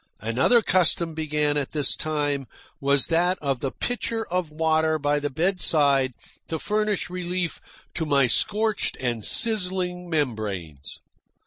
Another custom begun at this time was that of the pitcher of water by the bedside to furnish relief to my scorched and sizzling membranes.